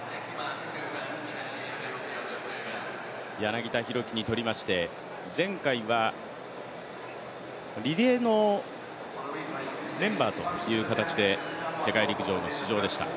柳田大輝にとりましては、前回はリレーのメンバーという形で世界陸上に出場でした。